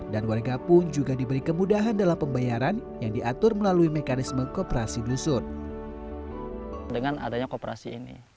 dengan adanya kooperasi ini